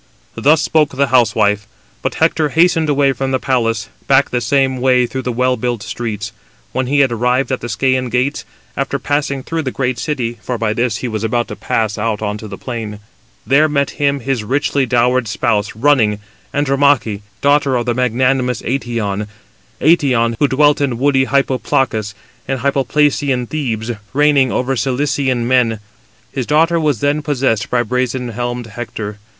Thus spoke the housewife, but Hector hastened away from the palace, back the same way through the well built streets. When he had arrived at the Scæan gates, after passing through the great city (for by this way he was about to pass out into the plain), there met him his richly dowered spouse running, Andromache, daughter of magnanimous Eetion: Eetion, who dwelt in woody Hypoplacus, in Hypoplacian Thebes, reigning over Cilician men. His daughter then was possessed by brazen helmed Hector.